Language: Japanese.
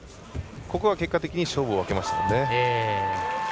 ここは結果的に勝負を分けましたね。